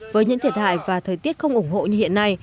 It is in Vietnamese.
với những thiệt hại và thời tiết không ủng hộ như hiện nay